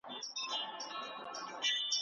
د دوزخونو به دي څه پروا لرمه